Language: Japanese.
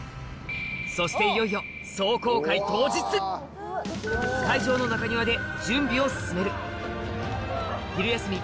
そしていよいよ会場の中庭で準備を進める昼休み